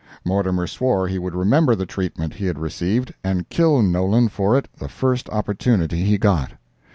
Mortimer swore he would remember the treatment he had received, and kill Nolan for it the first opportunity he got.